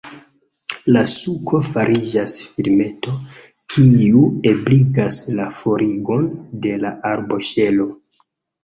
La suko fariĝas filmeto, kiu ebligas la forigon de la arboŝelo.